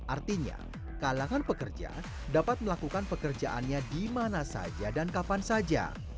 artinya kalangan pekerja dapat melakukan pekerjaannya di mana saja dan kapan saja